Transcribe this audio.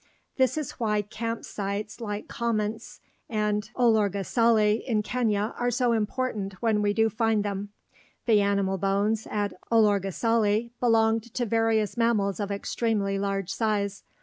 This is why camp sites like Commont's and Olorgesailie in Kenya are so important when we do find them. The animal bones at Olorgesailie belonged to various mammals of extremely large size.